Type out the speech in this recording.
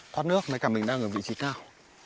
thoát nước với cả mình đang ở vị trí cao